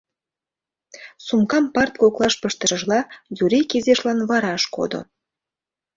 Сумкам парт коклаш пыштышыжла, Юрик изишлан вараш кодо.